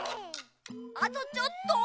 あとちょっと。